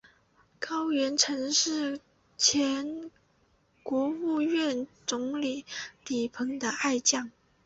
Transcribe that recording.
高严曾是前国务院总理李鹏的爱将。